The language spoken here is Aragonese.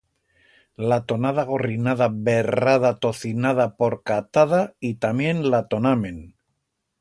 Latonada, gorrinada, verrada, tocinada, porcatada, y tamién latonamen.